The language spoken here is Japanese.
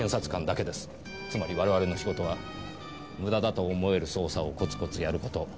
つまり我々の仕事は無駄だと思える捜査をコツコツやること。